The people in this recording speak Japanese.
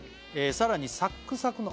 「さらにサックサクの」